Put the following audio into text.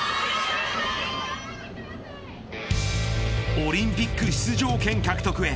オリンピック出場権獲得へ。